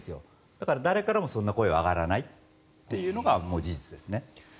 だから誰からもそんな声は上がらないというのが事実ですね。